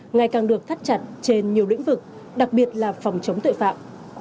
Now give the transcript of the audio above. ngày càng được thắt chặt trên nhiều lĩnh vực đặc biệt là phòng chống tội phạm